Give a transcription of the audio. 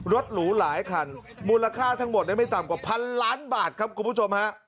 หรูหลายคันมูลค่าทั้งหมดไม่ต่ำกว่าพันล้านบาทครับคุณผู้ชมฮะ